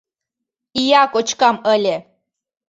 — Ия кочкам ыле!